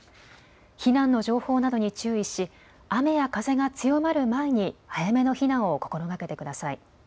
避難の情報などに注意し、雨や風が強まる前に早めの避難を心がけてください。